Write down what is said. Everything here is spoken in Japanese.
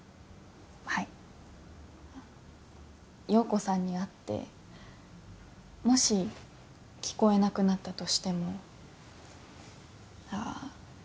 はい葉子さんに会ってもし聞こえなくなったとしてもああ